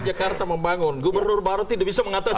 jakarta membangun gubernur barut tidak bisa mengatas